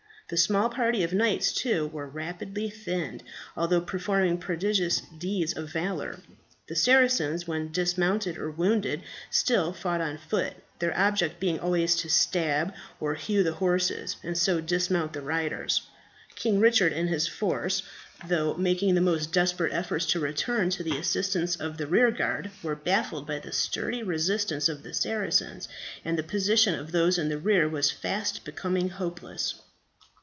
The small party of knights, too, were rapidly thinned, although performing prodigious deeds of valour. The Saracens when dismounted or wounded still fought on foot, their object being always to stab or hough the horses, and so dismount the riders. King Richard and his force, though making the most desperate efforts to return to the assistance of the rearguard, were baffled by the sturdy resistance of the Saracens, and the position of those in the rear was fast becoming hopeless.